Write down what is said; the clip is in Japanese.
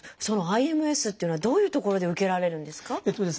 そのＩＭＳっていうのはどういうところで受けられるんですか？